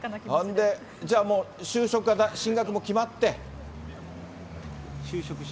じゃあもう、就職かな、進学が決まって？